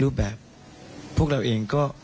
รูปแบบพวกเราเองก็